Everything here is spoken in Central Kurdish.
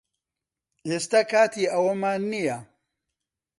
ئێستا کاتی ئەوەمان نییە